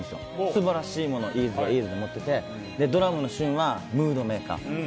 素晴らしいものいーずーはいーずーで持っててドラムの俊はムードメーカー。